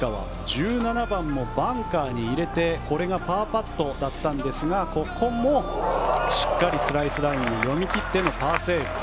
１７番もバンカーに入れてこれがパーパットだったんですがここもしっかりスライスラインを読み切ってのパーセーブ。